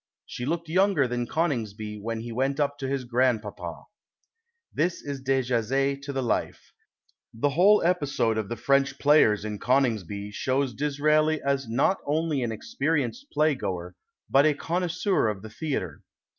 She looked younger than Coningsby when he went up to his grandpapa." This is Dejazet to the life. The whole episode of the French players in " Conings by " shows Disraeli as not only an experienced 150 DISRAELI AND THE PLAY playgoer but a connoisseur of the theatre.